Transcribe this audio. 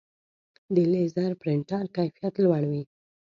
د لیزر پرنټر کیفیت لوړ وي.